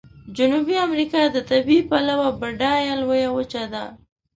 جنوبي امریکا د طبیعي پلوه بډایه لویه وچه ده.